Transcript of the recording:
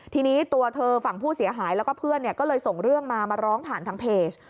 ทีนี้ตัวเธอฝั่งผู้เสียหายแล้วก็เพื่อนก็เลยส่งเรื่องมามาร้องผ่านทางเพจ